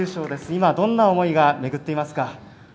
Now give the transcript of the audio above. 今、どんな思いがめぐっていますか？